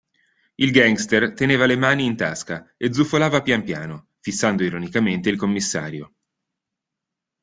Il gangster teneva le mani in tasca e zufolava pian piano, fissando ironicamente il commissario.